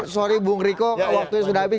sorry bu ngeriko waktunya sudah habis